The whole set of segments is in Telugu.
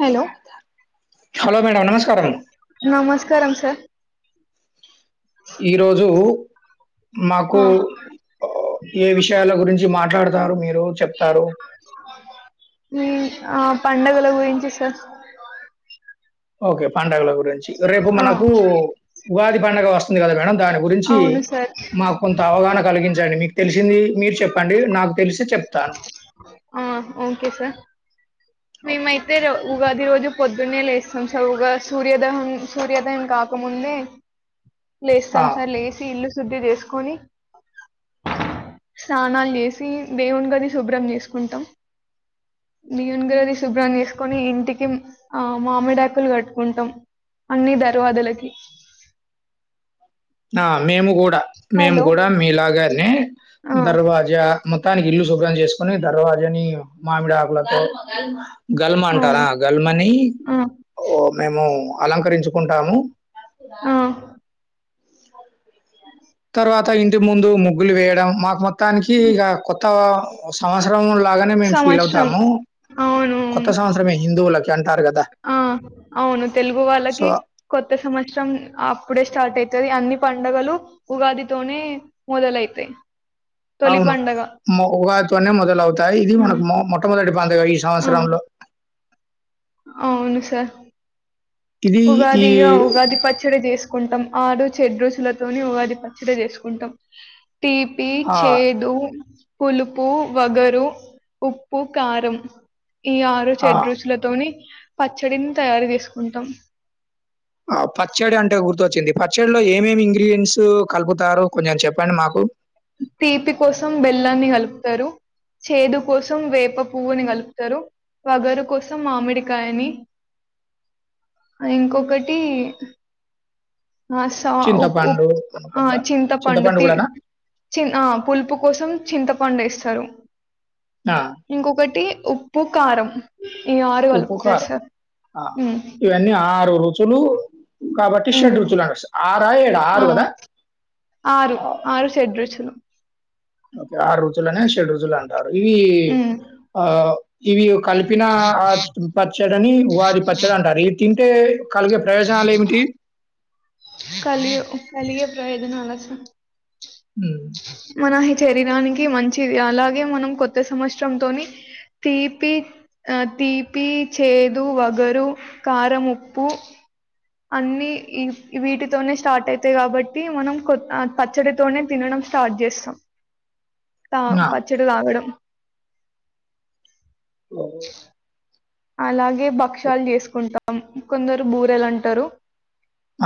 హలో హలో మేడం నమస్కారం. నమస్కారం సార్ ఈ రోజు మాకు ఆ ఏ విషయాల గురించి మాట్లాడతారు మీర్ ఉమ్ ఆ పండగల గురించి సార్ ఓకే పండగల గురించి రేపు ఆ మనకు ఉగాది పండగ వస్తుంది కదా మేడం దాని గురించి అవును సార్ మాకు కొంత అవగాహన కలిగించండి, మీకు తెలిసింది మీరు చెప్పండి నాకు తెలిసి చెప్ ప్ త్తాను ఆ ఓకే సార్ ఓకే మేమైతే మేడం. రే ఉగాది రోజు పొద్దున్నే లేస్సాం సార్ ఉగాది సూర్యోదహం సూర్యోదయం కాకముందే ఆ! లేస్తాం సార్ లేసి ఇల్లు శుద్ధి చేసుకొని స్నానాలు చేసి దేవుని గది శుభ్రం చేసుకుంటాం నియన్ గది శుభ్రం చేసుకొని ఇంటికి ఆ మామిడాకులు కట్టుకుంటాం అన్ని దర్వాదులకి ఆ మేము కూడా మేము హలో కూడా మీలాగానే ఆ దర్వాజా మొత్తానికి ఇల్లు శుభ్రం చేసుకుని దర్వాజాని మామిడి ఆకులతో గల్మ అంటారా అవును గల్మని ఆ ఓ మేము అలంకరించుకుంటాము ఆ తర్వాత ఇంటి ముందు ముగ్గులు వేయడం మాకు మొత్తానికి ఇక కొత్త సంవత్సరం బాగానే మేము ఫీల్ సంవత్సరం. అవుతాము అవును. కొత్త సంవత్సరమే హిందువులకి అంటారు కదా ఆ అవును తెలుగు సో వాళ్ళకి కొత్త సంవత్సరం అప్పుడే స్టార్ట్ అయ్తాది అన్ని పండుగలు ఉగాదితోనే మొదలైతాయి తొలి పండగ మాక్ ఉగాదితోనే మొదలవుతాయి ఇది హ్మ్. మనకు మొ మొట్టమొదటి పండగ ఈ ఆ! సంవత్సరంలో అవును సార్ ఇది ఈ ఉగాదిక ఉగాది పచ్చడి చేస్ కుంటాం ఆడ్ చెడ్ రుచులతోని ఉగాది పచ్చిడి చేసుకుంటాం తీపి ఆ! చేదు పులుపు వగరు ఉప్పు కారం ఈ ఆరు ఆ! చెడ్ రుచ్చులతోని పచ్చడిని తయారు చేసుకుంటాం ఆ పచ్చడి అంటే గుర్తోచ్చింది పచ్చడిలో ఏమేమి ఇంగ్రిడియంట్స్ కలుపుతారు కొంచెం చెప్పండి మాకు తీపి కోసం బెల్లాన్ని కలుపుతారు చేదు కోసం వేప పువ్వుని కలుపుతారు వగరు కోసం మామిడికాయని ఇంకొకటి ఆ స ఉప్ ఉప్ చింతపండు ఆ అనుకుంటా. చింతపండు తి కూడానా? చిన్ ఆ పులుపు కోసం చింత పండేస్తారు ఆ! ఇంకొకటి ఉప్పు కారం ఈ ఆరు కలుపుతారు ఉప్పుకారం సార్. ఆ హ్మ్ ఇవన్నీ ఆరు రు రుచులు కాబట్టి షడ్ హ్మ్ రుచులు అని వస్తయ్ ఆరా ఏడా ఆ ఆరు కదా ఆరు ఆ, ఆరు షెడ్రుచులు ఓకే ఆరు రుచులనే షెడ్ రోజులు అంటారు ఇవి హ్మ్ ఆ ఇవి కలిపిన ఆ పచ్చడిని ఉగాది పచ్చడి అంటారు ఇది తింటే కలిగే ప్రయోజనాలు ఏమిటి కలి కలిగే ప్రయోజనాలు ఉమ్, మన శరీరానికి మంచిది అలాగే మనం కొత్త సంవత్సరంతోని తీపి ఆ తీపి చేదు వగరు కారం ఉప్పు అన్ని ఇ-వీటితోనే స్టార్ట్ అయితాయి కాబట్టి మనం కొ పచ్చడితోనే తినడం స్టార్ట్ చేస్తాం తా ఆ, పచ్చడి తాగడం [inaudible] అలాగే భక్ష్యాలు చేసుకుంటాం కొందరు బూరెలు అంటారు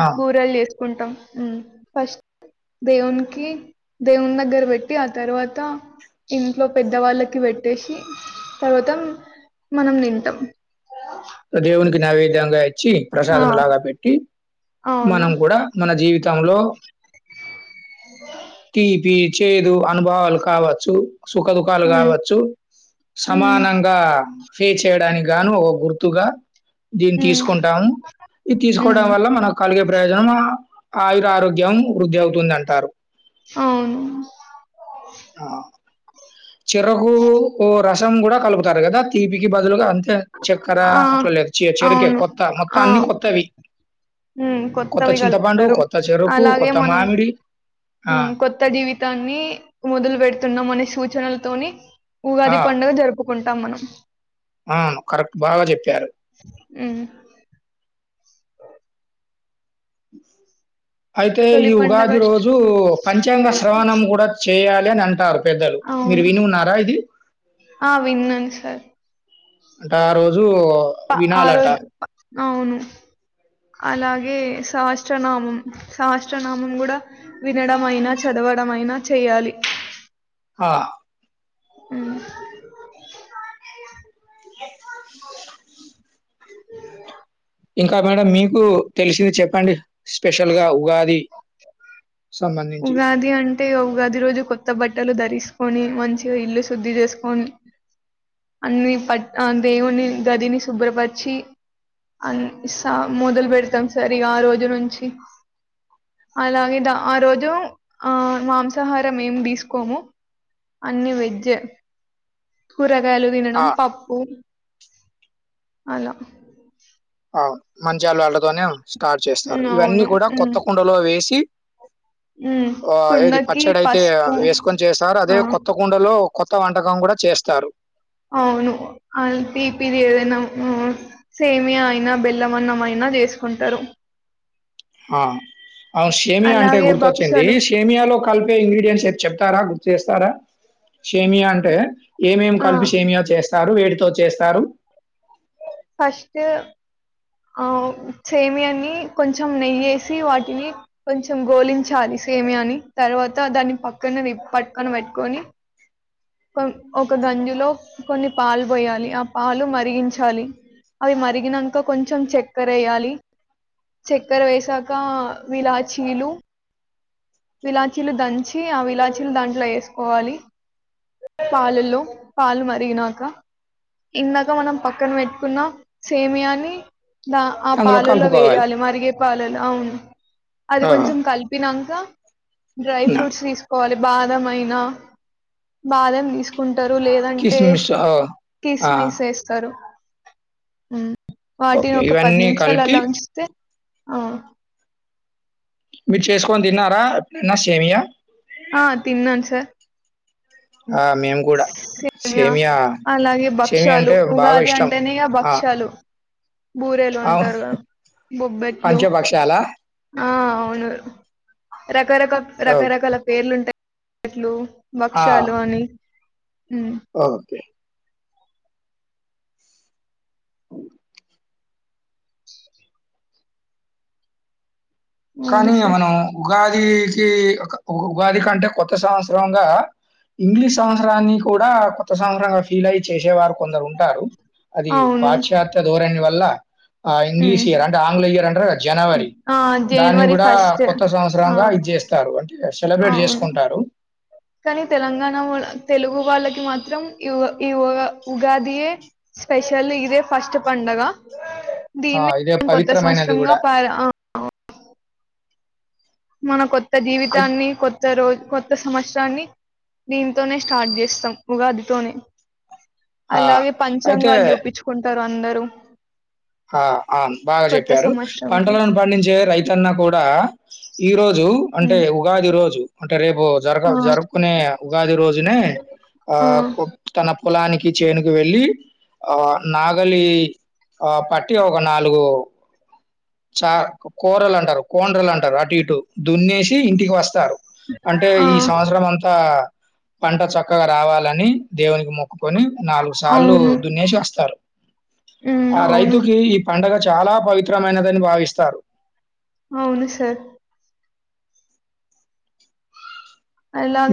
ఆ, బూరెలు చేసుకుంటాం మ్ ఫస్ట్ దేవున్ కి దేవున్ దగ్గర పెట్టి ఆ తర్వాత ఇంట్లో పెద్దవాళ్ళకి పెట్టేసి తర్వాత మనం తింటాం దేవునికి నైవేద్యంగా ఇచ్చి ఆ ప్రసాదం లాగా పెట్టి అవును మనం కూడా మన జీవితంలో తీపి చేదు అనుభవాలు కావచ్చు సుఖ దుఖాలు ఉమ్, కావచ్చు ఉమ్, సమానంగా ఫేస్ చేయడానికి గాను ఒక గుర్ తుగా దీన్ని ఉమ్, తీసుకుంటాము ఇది తీసుకోవడం ఉమ్, వల్ల మనకు కలిగే ప్రయోజనమా ఆయుర ఆరోగ్యం వృద్ధి అవుతుంది అంటారు ఆ! అవును చెరకు ఓ రసం కూడా కలుపుతారు కదా తీపికి బదులుగా చక్కెర ఆ అట్లా లేదు చె-చెరుకే అవును కొత్త మొత్త అన్ని కొత్తవి ఉ కొత్త చింతపండు, కొత్తవిగలుపుతారు కొత్త చెరుకు, అలాగే కొత్త మనం మామిడి. ఆ! మ్ కొత్త జీవితాన్ని మొదలు పెడుతున్నామనే సూచ నల తోని ఆ! ఉగాది పండగ జరుపుకుంటాం మనం అవును కరెక్ట్ బాగా చెప్పారు మ్ అయితే ఈ తొలి పండగ ఉగాది రోజు పంచాంగ శ్రవణం కూడా చేయాలి అని అంటారు పెద్దలు మీరు అవును విని ఉన్నారా ఇది ఆ విన్నాను సార్ అంటే ఆ రోజు ప వినాలట. ఆరోజ్ అవును అలా గే సహస్త్రనామం సహస్త్రనామం కూడా వినడం అయినా చదవ దమైన చేయాలి ఆ మ్ ఇంకా మేడం మీకు తెలిసింది చెప్పండి స్పెషల్ గా ఉగాది సంబంధించి. ఉగాది అంటే ఉగాది రోజు కొత్త బట్టలు దరిసుకొని మంచిది ఇల్లు శుద్ధి చేసుకోని అన్ని పట్ ఆ దేవుని గదిని శుభ్రపరిచి అన్ స మొదలు పెడతాం సార్ ఇగ ఆ రోజు నుంచి అలాగే ద ఆ రో ఆ మాంసాహారం ఏం తీసుకోము అన్ని వెజ్జే కూరగాయలు ఆ! తినడం పప్పు అలా అవును మంచాలోల్లతోనే స్టార్ట్ చేస్తారు ఉమ్, ఇవన్నీ అవును కూడా ఉమ్. కొత్త కుండలో వేసి హ్మ్. ఆ ఏది కుండకి పచ్చడయితే పసుపు వేసుకొని చేస్తారు ఆ! అదే కొత్త కుండలో కొత్త వంటకం గూడా చేస్తారు అవును అ తీపిది ఏదైనా సేమియా అయినా బెల్లమన్నం అయినా జేసుకుంటరు ఆ అవు షేమియా అంటే అలాగే గుర్తోచ్చింది భక్షాలు షేమియాలో కలిపే ఇంగ్రీడియంట్స్ ఏతే చెప్తారా గుర్తు చేస్తారా షేమియా అంటే ఏమేం ఆ! కలిపి షేమియా చేస్తారు వే తో చేస్తారు ఫస్ట్ ఆ సేమియాన్ని కొంచెం నెయ్యేసి వాటిని కొంచెం గోలించాలిసి సేమియాని తర్వాత దాన్ని పక్కనేది పట్టుకొని పెట్టుకొని కొ ఒక గంజులో కొన్ని పాలు పోయాలి ఆ పాలు మరిగించాలి అవి మరిగినంక కొంచెం చక్కెరెయ్యలి చక్కెర వేసాక వీలా చీలు విలాచీలు దంచి ఆ విలాచీలు దాంట్లో యేసుకోవాలి పాలల్లో పాలు మరిగినాక ఇందాక మనం పక్కన పెట్టుకున్న సేమియాని ద ఆ అందులో పాలల్లో కలుపుకోవాలి. వేయాలి మరిగే పాలలో అవును అది ఆ! కొంచెం కలిపినాక డ్రై న ఫ్రూట్స్ దీసుకోవాలి బాదం అయినా బాదం తీసుకుంట ంటరు లేదంటే కిస్‌మిస్ ఆ! ఆ! కిస్మిస్ యేస్తరు వాటిని ఓకే. ఒక పది ఇవన్నీ నిమిషాలు కలిపి అలా ఉంచితే మీరు చేసుకొని దిన్నారా న్న షేమియా ఆ తిన్నాన్ సార్ ఆ మేము కూడా సేమియా అలాగే సేమియ భక్ష్యాలు అంటే బాగా ఇష్టం ఆ బూరేలు అవును. అంటారుగా బొబ్బెట్లు పంచభక్షాల? ఆ అవును రకరక ఓహ్! రకరకాల పేర్లుంటాయిట్లు ఆ! బక్షాలు అని ఉమ్ ఓకే అవు అవును కానీ సార్ మనం ఉగాదికి ఒక ఉగాది కంటే కొత్త సంవత్సరంగా ఇంగ్లీష్ సంవత్సరాన్ని కూడా కొత్త సంవత్సరంగా ఫీల్ అయి చేసేవారు కొందరుం టారు అది అవును పాశ్చాత్య ధోరణి వల్ల ఆ ఇంగ్లీష్ ఉమ్ ఇయర్ అంటే ఆంగ్ల ఇయర్ అంట జనవరి ఉమ్. ఆ దాన్ని జనవరి గూడా ఫస్ట్ కొత్త ఆ సంవత్సరంగా ఇది జేస్తారు అంటే సెలబ్రేట్ అవును చేసుకుంటారు కానీ తెలంగాణ వా తెలుగు వాళ్ళకి మాత్రం ఈ ఈ ఉ ఉగాదియే స్పెషల్లీ ఇదే ఫస్ట్ పండగ ఆ! దీన్నే ఇదే కొత్త పవిత్రమైనది గూడా. సంవత్సరంగా పర మన కొత్త అయిత్ జీవితాన్ని కొత్త రోజు కొ కొత్త సంవత్సరాన్ని దీంతోనే స్టార్ట్ జేస్తాం ఉగాదితోనే ఆ! అలాగే అయితే పంచాంగాలు జూపిచుకుంటారు అందరూ ఆ అను బాగా కొత్త చెప్పారు సంవత్సరంకి పంటలను పండించే రైతన్నా కూడా ఈరోజు రోజు అంటే ఉమ్, ఉగాది రోజు అంటే రేపు జరగ ఆ జరుపుకునే ఉగాది రోజునే ఆ తన కులానికి చేనుకు వెళ్ళలి ఆ నాగలి ఆ పట్టి ఒక నాలుగు చ కూరలు అంటారు కోండ్రలు అంటారు అటు ఇటు దున్నేసి ఇంటికి వస్తారు అంటే ఆ ఈ సంవత్సరం అంతా పంట చక్కగా రావాలని దేవునికి మొక్ కొని నాలుగు సార్లు అవును దున్నేసి వస్తారు ఉమ్, ఆ అవును రైతుకి ఈ పండగ చాలా పవిత్రమైనదని భావిస్తారు అవును సార్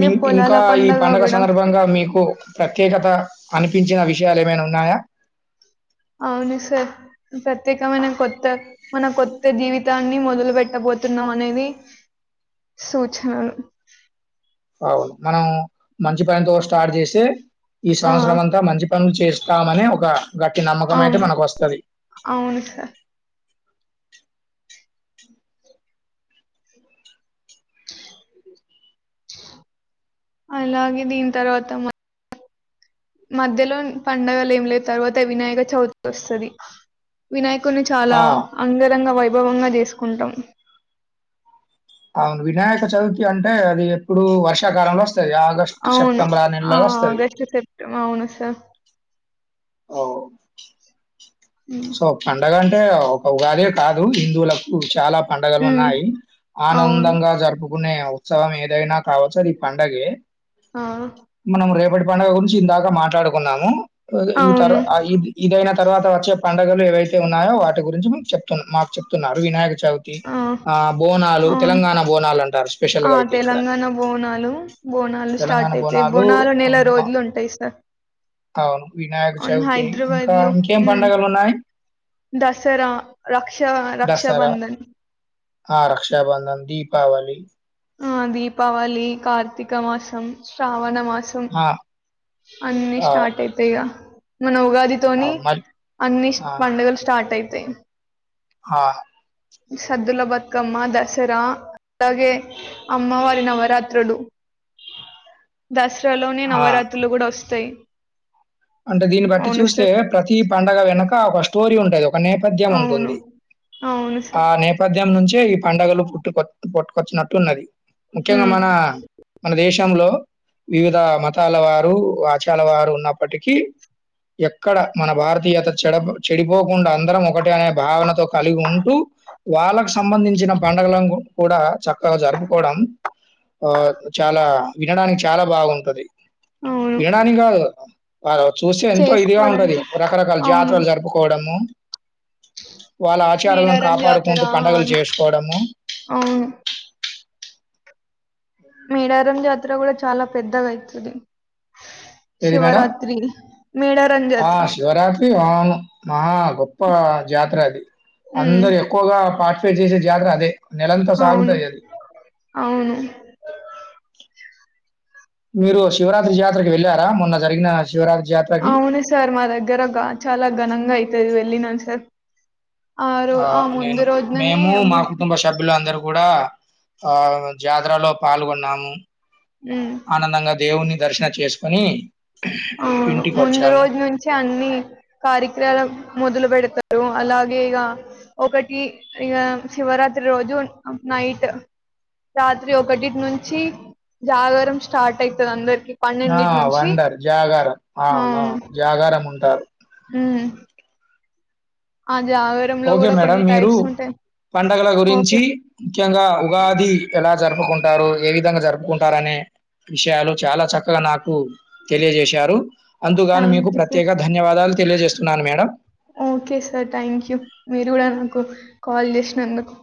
మీ పొలాల ఇంకా ఈ పండగ పండుగ కూడా సందర్భంగా మీకు ప్రత్యేకత అనిపించిన విషయాలు ఏమైనా ఉన్నాయా అవును సార్ ప్రత్యేకమైన కొత్త మన కొత్త జీవిత తాన్ని మొదలు బెట్టబోతున్నాం అనేది సూచనలు అవును మనం మంచి పనితో స్టార్ట్ జేసి ఈ ఆ సంవత్సరం అంతా మంచి పనులు చేస్తామనే ఒక గట్టి నమ్మకం అయితే అవును మనకు వస్తది అవును అలాగే దీని తర్వాత మ మధ్యలో పండుగలు ఏం లే తర్వాత వినాయక చవితి వస్తది వినాయక కున్ని చాలా ఆ అంగరంగ వైభవంగా చేసుకుంటాం అవును వినాయక చవితి అంటే అది ఎప్పుడు వర్షాకాలంలో వస్ ఆగస్ట్ అవును సెప్టెంబర్ ఆ నెల్లో వస్తది ఆగస్టు సెప్టెంబర్ అవును సార్ ఓ సో పండగ అంటే ఒక ఉగాది ఏ కాదు హిందువులకు చాలా పండగలు ఉమ్, ఉన్నాయి అవును ఆనందంగా జరుపు కునే ఉత్సవం ఏదైనా కావచ్చు అది పండగే ఆ, మనం రేపటి పండుగ గురించి ఇందాక మాట్లాడుకున్నాము ఇ తర అవును అ ఇది ఇదైన తర్వాత వచ్చె పండుగలు ఏవైతే ఉన్నాయో వాటి గురించి మీకు చెప్తు మాకు చెప్తున్నారు వినాయ చవితి ఆ బోనాలు అవును తెలంగాణ బోనాలు అంటారు స్పెషల్ గా ఆ అయితే ఇక్కడ తెలంగాణ బోనాలు బోనాలు తెలంగాణ స్టార్ట్ అయితే బోనాలు నెల హ్మ్. మ రోజులు ఉంటాయి సార్ అవును. వినాయక అవును చవితి ఇంకా హైదరాబాద్ లో ఇంకేం ఉమ్ పండగలున్నాయి? దసరా రక్ష దసరా, రక్షాబంధన్ ఆ రక్షాబంధన్ దీపావళి ఆ దీపావళి కార్తీక మాసం శ్రావణ మాసం ఆ! అన్నీ ఆ! స్టార్ట్ అయితయ్ ఇగ మన ఆ! ఉగాదితోని మల్ అన్ని ఆ! పండుగలు స్టార్ట్ అయితయ్ ఆ సద్దుల బత్కమ్మ దసరా అలాగే అమ్మ వారి నవరాత్రలు దస్ రలోనే ఆ! నవరాత్రులు కూడా వస్తాయి అంటే దీన్ని బట్టి అవును చూస్తే సార్ ప్రతి పండగ వెనక ఒక స్టోరీ ఉంటది ఒక నే పథ్యం అవును ఉంటుంది అవును ఆ సార్ నేపథ్ ధ్యం నుంచే ఈ పండగలు పుట్టుక పుట్టకొచ్చినట్టు ఉన్నది ముఖ్యంగా ఉమ్, మన మన దేశ శంలో వివిధ మతాల వారు ఆచాల వారు ఉన్నప్పటికీ ఎక్కడ మన భారతీయత చెడ చెడిపోకుండా అందరం ఒకటే అనే భావనతో కలిగి ఉంటూ వాళ్ళకు సంబంధించిన పండగల కూడా చక్కగా జరుపుకోవడం ఆ చాలా వినడానికి చాలా బాగుంటది అవును వినడానికి గాదు వారు చూసే ఎంతో ఇదిగా ఉంటది చేసుకోవడానికి రకరకాల అవును జాతరలు జరుపుకోవడము వాళ్ళ ఆచారాలను మేడారం జాతర కాపాడుకుంటూ పండుగలు అని- చేసుకోవడము అవును మేడారం జాతర కూడా చాలా పెద్దగా అయితది ఏది మేడం? శివరాత్రి మేడారం ఆ జాతర శివరాత్రి అవును మహా గొప్ప జాతర అది ఉమ్, అందరు ఎక్కువగా పార్టిసిపేట్ చేసే జాతర అదే నెలంతా అవును సాగుతాయి అది అవును మీరు శివరాత్రి జాతరకి వెళ్ళారా మొన్న జరిగిన శివరాత్రి జాతరకి? అవును సార్ మా దగ్గర చాలా ఘనంగా అయితది వెళ్ళినను సార్ రో ఆ నేను ముందు రోజుననే మేము మా ముం కుటుంబ సభ్యులు అందరు కూడా ఆ జాతరలో పాల్గొన్నాము ఉమ్ ఆనందంగా దేవుని దర్శనం చేసుకొని అవును ముందు ఇంటికొచ్చాము. రోజు నుంచి అన్ని కార్యక్రాల మొదలు పెడు తారు అలాగే ఇగ ఒకటి శివరాత్రి రోజు నైట్ రాత్రి ఒకటిటి నుంచి జాగర స్టార్ట్ అయితది అందరి ఆ వండర్ జాగారం అవును జాగారం ఉంటారు ఉ ఓకే కూడా మేడం కొన్ని మీరు టైప్స్ ఉంటాయి పండగల గురించి ఓకే ముఖ్యంగా ఉగాది ఎలా జరుపుకుంటారు ఏ విధంగా జరుపు కుంటారనే విషయాలు చాలా చక్కగా నాకు తెలియజేశారు అందుగాని మీకు థ్యాంక్ యూ సార్ ప్రత్యేక ధన్యవాదాలు తెలియజేస్తున్నాను madam okay sir thank you మీరు కూడా నాకు కాల్ చేసినందుకు